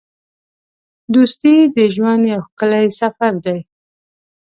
دوستي د ژوند یو ښکلی سفر دی.